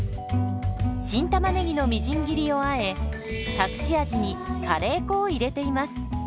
新たまねぎのみじん切りをあえ隠し味にカレー粉を入れています。